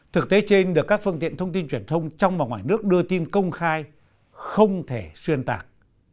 thực tế trên được các phương tiện thông tin truyền thông trong và ngoài nước đưa tin công khai không thể xuyên tạc